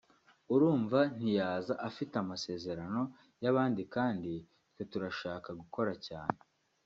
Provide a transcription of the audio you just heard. urumva ntiyaza afite amasezerano y’abandi kandi twe turashaka gukora cyane